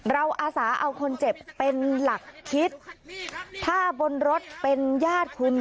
อาสาเอาคนเจ็บเป็นหลักคิดถ้าบนรถเป็นญาติคุณ